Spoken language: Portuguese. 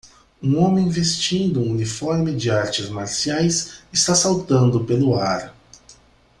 Um homem vestindo um uniforme de artes marciais está saltando pelo ar.